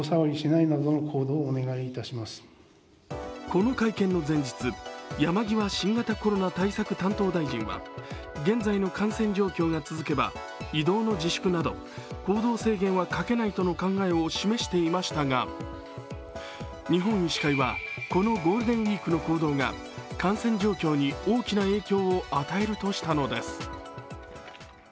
この会見の前日、山際新型コロナ担当大臣は現在の感染状況が続けば移動の自粛など行動制限はかけないとの考えを示していましたが日本医師会はこのゴールデンウイークの行動が感染状況に大きな影響を与えるとしたのです。